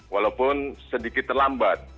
walaupun sedikit terlambat